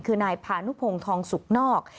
คือนายพานุพงศ์ทองสุกนอก